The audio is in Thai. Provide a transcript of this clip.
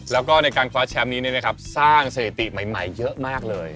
แล้วก็ในการคว้าแชมป์นี้เนี่ยนะครับสร้างเศรษฐีใหม่เยอะมากเลย